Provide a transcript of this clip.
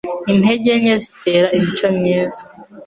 Intege nke zitera imico myiza